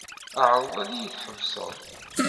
Ɛreḍ ad iyi-tḥebsed.